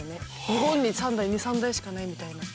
日本に２３台しかないみたいな。